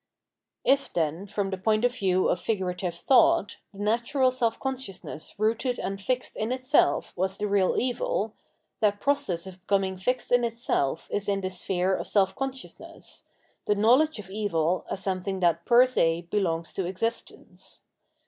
If, then, from the point of view of figurative thought, the natural self consciousness rooted and fixed in itself was the real evil, that process of becoming fixed in itself is in the sphere of self consciousness, the knowledge of evil as something that per $e belongs to existence.